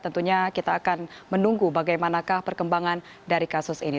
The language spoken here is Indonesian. tentunya kita akan menunggu bagaimanakah perkembangan dari kasus ini